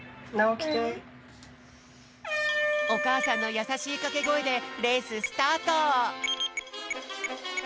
おかあさんのやさしいかけごえでレーススタート！